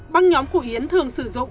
băng nhóm của yến thường sử dụng